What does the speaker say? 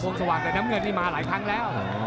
น้ำเงินที่มาหลายครั้งแล้ว